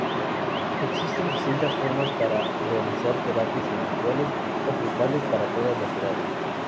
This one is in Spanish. Existen distintas formas para realizar terapias individuales o grupales para todas las edades.